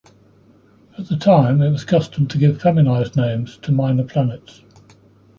At the time, it was custom to give feminized names to minor planets.